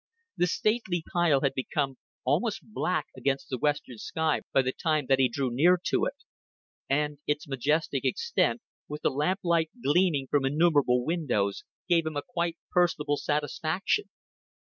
The stately pile had become almost black against the western sky by the time that he drew near to it, and its majestic extent, with the lamplight gleaming from innumerable windows, gave him a quite personal satisfaction.